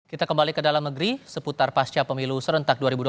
kita kembali ke dalam negeri seputar pasca pemilu serentak dua ribu dua puluh